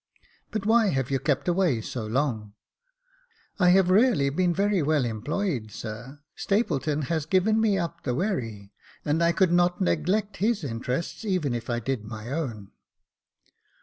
But why have you kept away so long ?" "I have really been very well employed, sir: Stapleton has given me up the wherry, and I could not neglect his interests, even if I did my own."